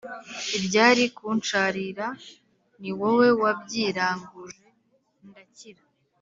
Ibyari kunsharira niwowe wabyiranguje ndakira